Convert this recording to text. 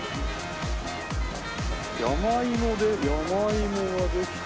山芋で山芋ができて。